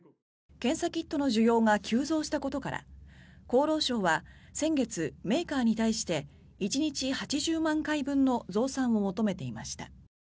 検査キットの需要が急増したことから厚労省は先月、メーカーに対して１日８０万回分の増産を求めていました。